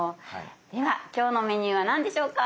では今日のメニューは何でしょうか？